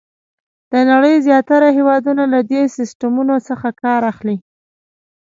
د نړۍ زیاتره هېوادونه له دې سیسټمونو څخه کار اخلي.